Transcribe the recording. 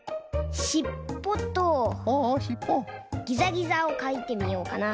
しっぽとギザギザをかいてみようかな。